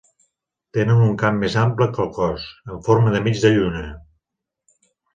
Tenen un cap més ample que el cos, en forma de mitja lluna.